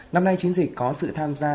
năm nay chính dịch có sự tham gia